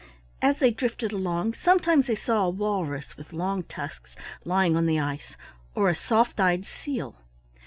As they drifted along, sometimes they saw a walrus with long tusks lying on the ice, or a soft eyed seal.